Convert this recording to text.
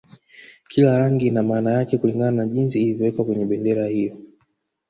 Kila rangi ina maana yake kulingana na jinsi ilivyowekwa kwenye bendera hiyo